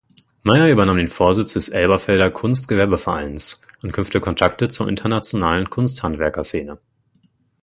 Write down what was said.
Meyer übernahm den Vorsitz des Elberfelder Kunstgewerbevereins und knüpfte Kontakte zur internationalen Kunsthandwerkerszene.